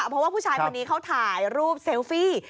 เพราะว่าผู้ชายคนนี้เขาถ่ายรูปเซลฟี่